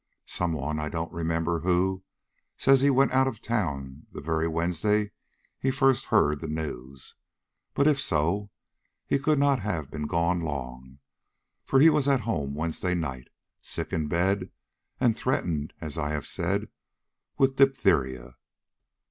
Some one, I don't remember who, says he went out of town the very Wednesday he first heard the news; but if so, he could not have been gone long, for he was at home Wednesday night, sick in bed, and threatened, as I have said, with the diphtheria.